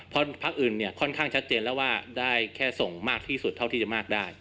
เพราะพักอื่นเนี่ยค่อนข้างชัดเจนแล้วว่าได้แค่ส่งมากที่สุดเท่าที่จะมากได้